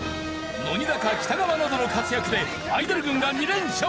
乃木坂北川などの活躍でアイドル軍が２連勝。